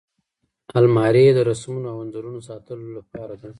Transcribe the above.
الماري د رسمونو او انځورونو ساتلو لپاره ده